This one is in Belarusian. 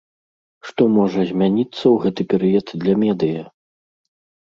Што можа змяніцца ў гэты перыяд для медыя?